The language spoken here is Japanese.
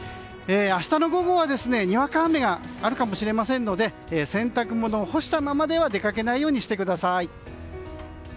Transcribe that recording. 明日の午後はにわか雨があるかもしれないので洗濯物を干したままでは出かけないようにしてください。